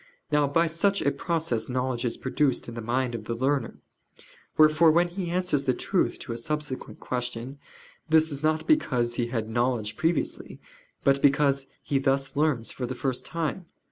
Now by such a process knowledge is produced in the mind of the learner. Wherefore when he answers the truth to a subsequent question, this is not because he had knowledge previously, but because he thus learns for the first time.